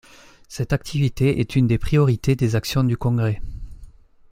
Cette activité est une des priorités des actions du Congrès.